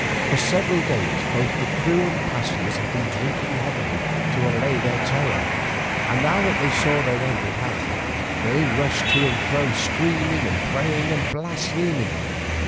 For several days both the crew and passengers had been drinking heavily to allay their terror, and now that they saw their end at hand, they rushed to and fro screaming, praying, and blaspheming.